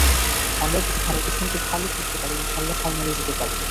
আমরা যদি ভারতের সঙ্গে ভালো করতে পারি, ইনশা আল্লাহ ফাইনালে যেতে পারব।